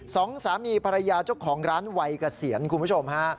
สองสามีภรรยาเจ้าของร้านวัยเกษียณคุณผู้ชมฮะ